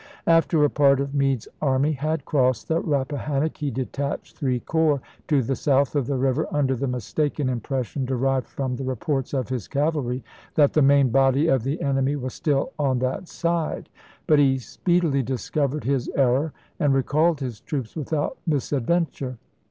After a part of Meade's army had crossed the Rappahannock he detached three corps to the south of the river under the mistaken impression, derived from the reports of his cavalry, that the main body of the enemy was still on that side ; but he speedily discovered his error and recalled his troops without misadventure.